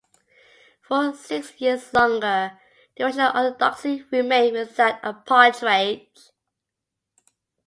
For six years longer the Russian Orthodoxy remained without a patriarch.